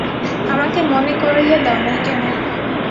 আমাকে মনে করাইয়া দাও নাই কেন?